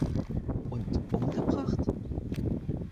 Und umgebracht?